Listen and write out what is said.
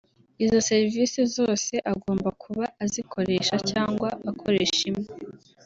izo serivise zose agomba kuba azikoresha cyangwa akoresha imwe